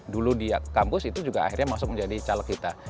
dulu di kampus itu juga akhirnya masuk menjadi caleg kita